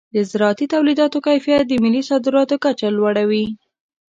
د زراعتي تولیداتو کیفیت د ملي صادراتو کچه لوړوي.